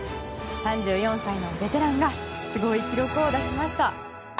３４歳のベテランがすごい記録を出しました。